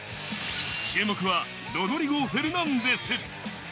注目はロドリゴ・フェルナンデス。